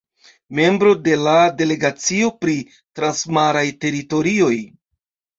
Membro de la delegacio pri transmaraj teritorioj.